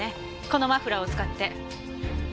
このマフラーを使って。